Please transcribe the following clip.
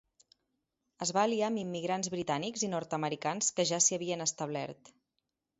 Es va aliar amb immigrants britànics i nord-americans que ja s'hi havien establert.